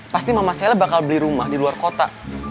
pasti mama saya bakal beli rumah di luar kota